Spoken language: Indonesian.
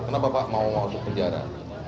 kenapa bapak mau masuk penjara